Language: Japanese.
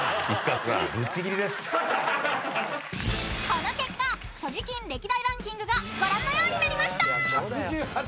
［この結果所持金歴代ランキングがご覧のようになりました！］